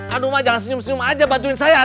aduh ma jangan senyum senyum aja bantuin saya